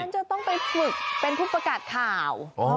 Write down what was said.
จะต้องไปฝึกเป็นผู้ประกาศข่าว